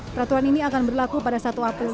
peraturan ini akan berlaku pada satu april